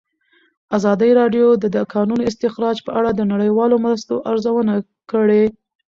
ازادي راډیو د د کانونو استخراج په اړه د نړیوالو مرستو ارزونه کړې.